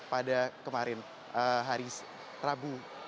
pada kemarin hari rabu